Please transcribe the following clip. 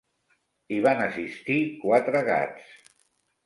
Hi van assistir quatre gats.